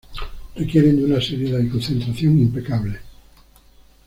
Requieren de una seriedad y concentración impecables.